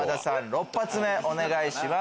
６発目お願いします。